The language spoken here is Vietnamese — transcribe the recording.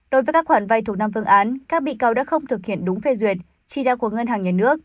đối với các khoản vay thuộc năm phương án các bị cáo đã không thực hiện đúng phê duyệt chỉ đạo của ngân hàng nhà nước